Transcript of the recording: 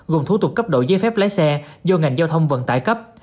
gồm thủ tục cấp đổi giấy phép lái xe do ngành giao thông vận tải cấp